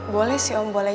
boleh sih om boleh